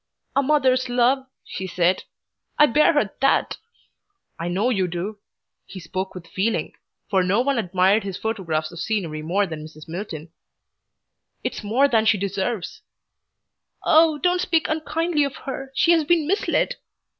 "A mother's love," she said. "I bear her THAT." "I know you do." He spoke with feeling, for no one admired his photographs of scenery more than Mrs. Milton. "It's more than she deserves." "Oh, don't speak unkindly of her! She has been misled."